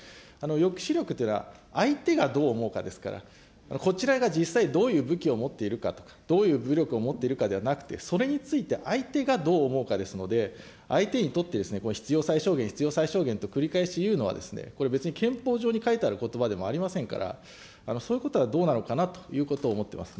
抑止力っていうのは、相手がどう思うかですから、こちらが実際どういう武器を持っているかとか、どういう武力を持っているかではなくて、それについて相手がどう思うかですので、相手にとって必要最小限、必要最小限と言うのは別に憲法上に書いてあることばでもありませんから、そういうことはどうなのかなということを思ってます。